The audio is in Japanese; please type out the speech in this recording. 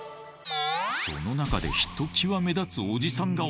その中でひときわ目立つオジサン顔。